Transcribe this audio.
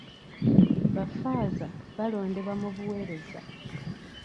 Baffaaza balondebwa mu buweereza.